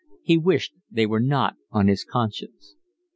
He wished they were not on his conscience.